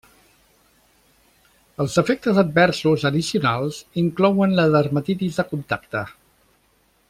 Els efectes adversos addicionals inclouen la dermatitis de contacte.